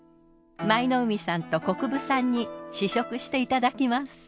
舞の海さんと国分さんに試食していただきます。